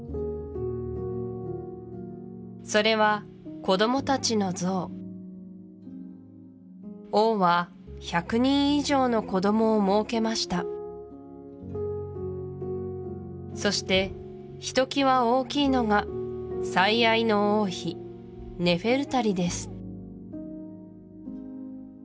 それは子供たちの像王は１００人以上の子供をもうけましたそしてひときわ大きいのが最愛の王妃ネフェルタリです